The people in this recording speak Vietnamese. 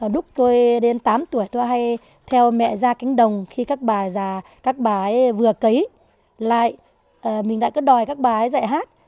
lúc tôi đến tám tuổi tôi hay theo mẹ ra cánh đồng khi các bà già các bà ấy vừa cấy lại mình lại cứ đòi các bà ấy dạy hát